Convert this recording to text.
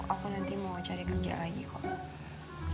aku nanti mau cari kerja lagi kok